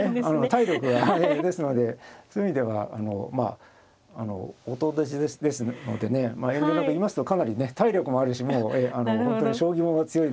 ですのでそういう意味ではまあ弟弟子ですのでね遠慮なく言いますとかなりね体力もあるしもう本当に将棋も強いですし